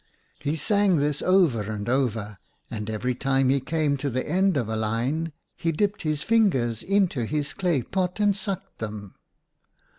" He sang this over and over, and every time he came to the end of a line, he dipped his fingers into his clay pot and sucked them.